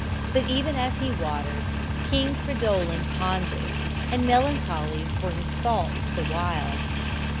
But even as he watered, King Fridolin pondered, and melancholy were his thoughts the while.